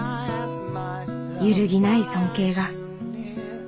揺るぎない尊敬が。